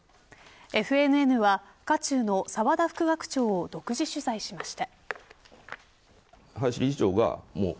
ＦＮＮは、渦中の沢田副学長を独自取材しました。